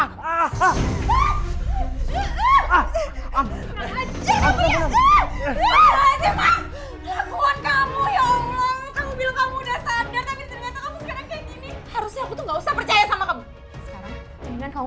harusnya aku tuh gak usah percaya sama kamu